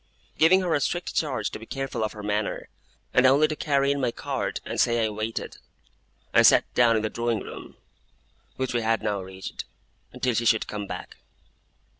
Giving her a strict charge to be careful of her manner, and only to carry in my card and say I waited, I sat down in the drawing room (which we had now reached) until she should come back.